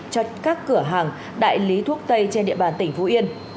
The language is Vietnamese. cho các cửa hàng đại lý thuốc tây trên địa bàn tỉnh phú yên